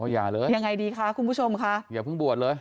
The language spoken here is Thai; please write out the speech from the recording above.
อย่าเลยยังไงดีคะคุณผู้ชมค่ะอย่าเพิ่งบวชเลย